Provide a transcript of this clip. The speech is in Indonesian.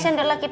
dua sendok lagi